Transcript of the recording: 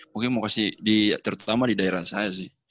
mungkin mau kasih di terutama di daerah saya sih